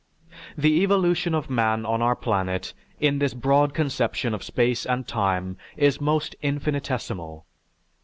The evolution of man on our planet in this broad conception of space and time is most infinitesimal.